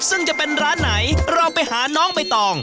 ซึ่งจะเป็นร้านไหนเราไปหาน้องใบตอง